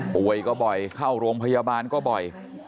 ป่วยก็บ่อยเข้าโรงพยาบาลก็บ่อย